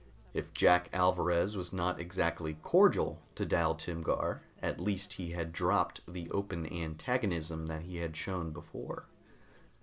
If Jack Alvarez was not exactly cordial to Dal Timgar, at least he had dropped the open antagonism that he had shown before.